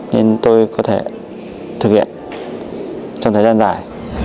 nên tôi có thể thực hiện trong thời gian dài